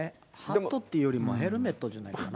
ハットっていうよりか、ヘルメットなのかな。